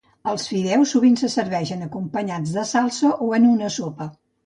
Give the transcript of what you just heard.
Els fideus sovint se serveixen acompanyats de salsa o en una sopa.